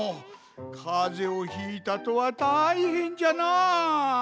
かぜをひいたとはたいへんじゃな！